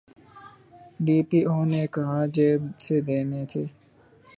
D P O نے کہاں جیب سے دینے تھے۔